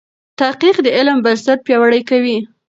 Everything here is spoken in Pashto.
تحقیق د علم بنسټ پیاوړی کوي.